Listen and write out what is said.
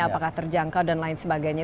apakah terjangkau dan lain sebagainya